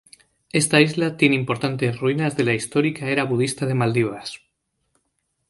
Esta isla tiene importantes ruinas de la histórica era budista de Maldivas.